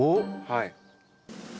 はい。